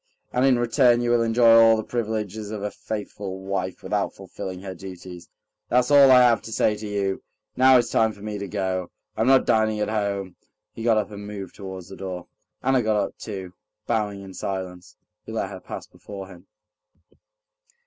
And in return you will enjoy all the privileges of a faithful wife without fulfilling her duties. That's all I have to say to you. Now it's time for me to go. I'm not dining at home." He got up and moved towards the door. Anna got up too. Bowing in silence, he let her pass before him.